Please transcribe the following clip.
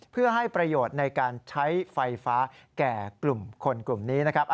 เพื่อให้ประโยชน์ในการใช้ไฟฟ้าแก่กลุ่มคนกลุ่มนี้นะครับ